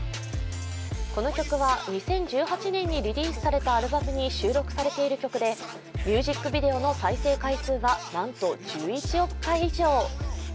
この曲は、２０１８年にリリースされたアルバムに収録されている曲でミュージックビデオの再生回数は何と１１億回以上。